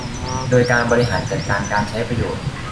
โดยการบริหารจัดการการใช้ประโยชน์